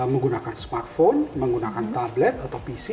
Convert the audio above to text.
menggunakan smartphone menggunakan tablet atau pc